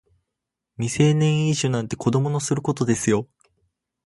未成年飲酒なんて子供のすることですよ